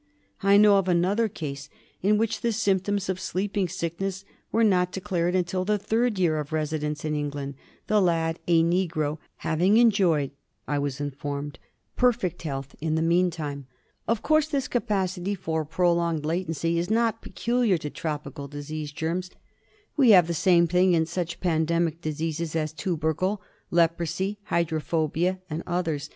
I know of another case in which the symptoms of Sleeping Sickness were not declared until the third year of residence in England, the lad, a negro, having enjoyed, I was informed, perfect health in the meantime. OF TROPICAL DISEASES. 9 Of course this capacity for prolonged latency is not peculiar to tropical disease germs; we have the same thing in such pandemic diseases as turbercle, leprosy, hydrophobia and others.